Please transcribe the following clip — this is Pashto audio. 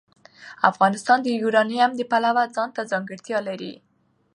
افغانستان د یورانیم د پلوه ځانته ځانګړتیا لري.